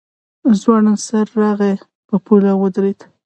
ځوړند سر راغی په پوله ودرېد.